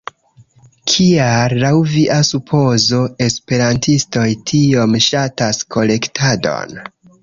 Kial, laŭ via supozo, esperantistoj tiom ŝatas kolektadon?